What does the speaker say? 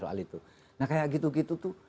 soal itu nah kayak gitu gitu tuh